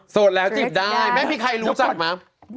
โสดแล้วจีบได้ว่ะแม่พี่ใครรู้จักมั้ยโอ้โห